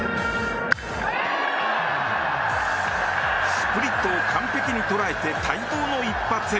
スプリットを完璧に捉えて待望の一発。